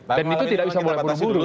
dan itu tidak bisa boleh buru buru gitu ya